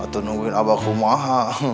atau nungguin abah kemah